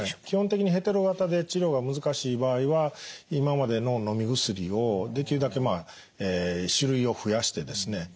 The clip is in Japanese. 基本的にヘテロ型で治療が難しい場合は今までののみ薬をできるだけ種類を増やしてですね